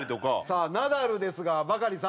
さあナダルですがバカリさん